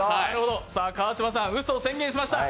川島さん、うそを宣言しました。